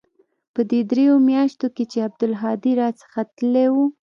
په دې درېو مياشتو کښې چې عبدالهادي را څخه تللى و.